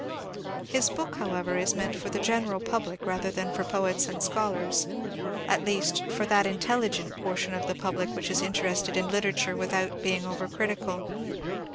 His book, however, is meant for the general public rather than for poets and scholars at least, for that intelligent portion of the general public which is interested in literature without being over critical.